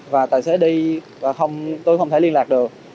và tài xế đi tôi không thể liên lạc được